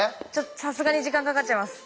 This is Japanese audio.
さすがに時間かかっちゃいます。